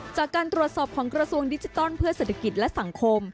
จากการตรวจสอบของกระทรวงดิจิทัลเพื่อเศรษฐกิจและสังคม